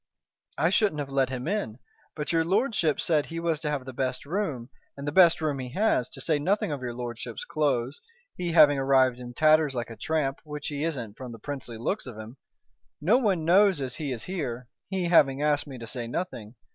"I shouldn't have let him in. But your lordship said he was to have the best room, and the best room he has, to say nothing of your lordship's clothes, he having arrived in tatters like a tramp, which he isn't from the princely looks of him. No one knows as he is here, he having asked me to say nothing.